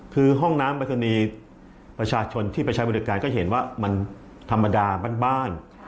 คือห้องน้ำปริศนีย์ประชาชนที่ไปใช้บริการก็เห็นว่ามันธรรมดาบ้าน